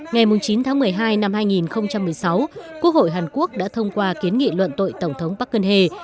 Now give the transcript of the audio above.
ngày chín tháng một mươi hai năm hai nghìn một mươi sáu quốc hội hàn quốc đã thông qua kiến nghị luận tội tổng thống park geun hye